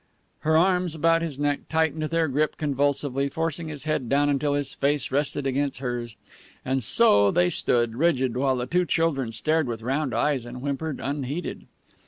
Her arms about his neck tightened their grip convulsively, forcing his head down until his face rested against hers. And so they stood, rigid, while the two children stared with round eyes and whimpered unheeded.